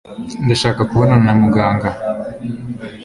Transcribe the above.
ndashaka kubonana na muganga